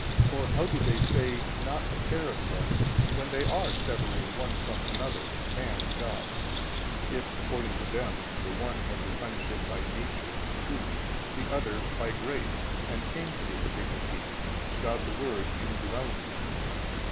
or how do they say 'not a pair of sons,' when they are severing one from another man and God, if (according to them) the One has the sonship by Nature and truly, the other " by grace and came "to this dignity, God the Word indwelling him?"